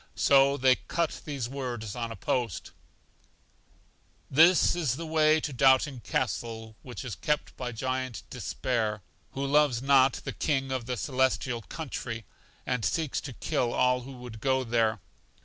So they cut these words on a post: This is the way to Doubting Castle, which is kept by Giant Despair, who loves not the King of the Celestial Country, and seeks to kill all who would go there.